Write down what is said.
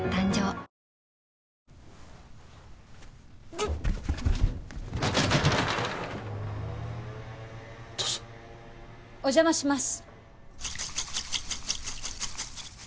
ちょっどうぞお邪魔します